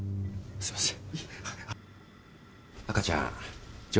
すいません。